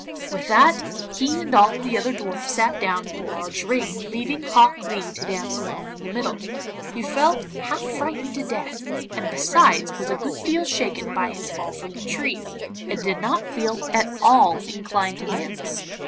With that, he and all the other dwarfs sat down in a large ring, leaving Hok Lee to dance alone in the middle. He felt half frightened to death, and besides was a good deal shaken by his fall from the tree and did not feel at all inclined to dance.